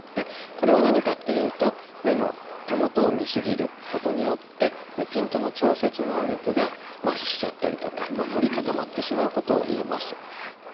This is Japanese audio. これは何かっていうと目の手元を見過ぎることによってピントの調節能力がまひしちゃったりとか凝り固まってしまうことをいいます。